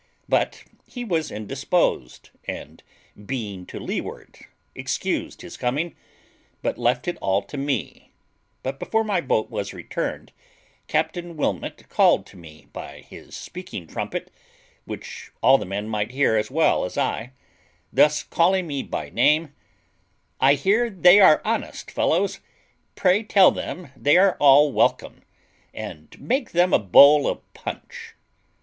But he was indisposed, and being to leeward, excused his coming, but left it all to me; but before my boat was returned, Captain Wilmot called to me by his speaking trumpet, which all the men might hear as well as I; thus, calling me by my name, "I hear they are honest fellows; pray tell them they are all welcome, and make them a bowl of punch."